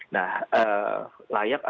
nah layak atau